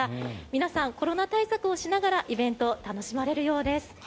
皆さん、コロナ対策をしながらイベントを楽しまれるようです。